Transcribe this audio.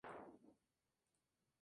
Este es un ejemplo de poesía sonora.